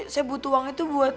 saya butuh uang itu buat